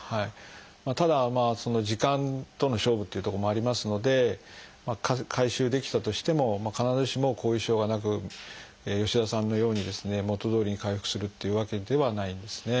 ただまあ時間との勝負っていうとこもありますので回収できたとしても必ずしも後遺症がなく吉澤さんのようにですね元どおりに回復するっていうわけではないんですね。